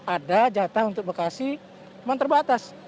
ada jatah untuk bekasi cuma terbatas